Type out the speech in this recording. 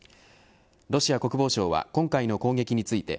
ロシア国防省は今回の攻撃について